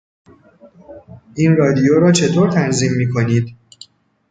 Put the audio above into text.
این رادیو را چطور تنظیم میکنید؟